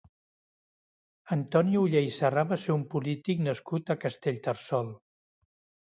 Antoni Oller i Sarrà va ser un polític nascut a Castellterçol.